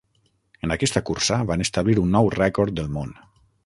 En aquesta cursa van establir un nou rècord del món.